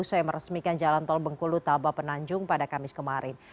saya meresmikan jalan tol bengkulu taba penanjung pada kamis kemarin